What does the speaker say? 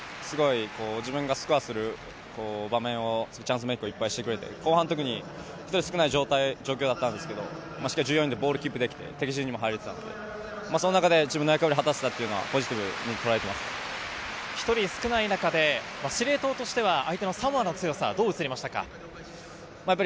チームメートが、自分がスコアする場面、チャンスメイクをいっぱいしてくれて、後半、特に１人少ない状況だったんですけれども、しっかり１４人でボールをキープして、敵陣にも入れたので、その中で自分の役割を果たせたというのは１人少ない中で司令塔として、相手のサモアの強さをどう感じましたか？